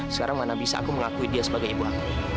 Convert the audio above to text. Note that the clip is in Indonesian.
sekarang mana bisa aku mengakui dia sebagai ibu aku